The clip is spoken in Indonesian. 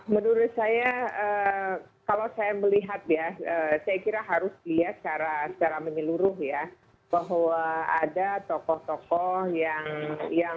menurut saya kalau saya melihat ya saya kira harus lihat secara menyeluruh ya bahwa ada tokoh tokoh yang